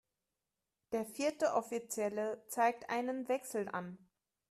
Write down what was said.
Der vierte Offizielle zeigt einen Wechsel an.